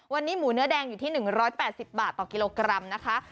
วันนี้หมูเนื้อแดงอยู่ที่๑๘๐บาทต่อกิโลกรัมนะคะ